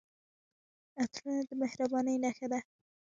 عطرونه د مهربانۍ نښه ده.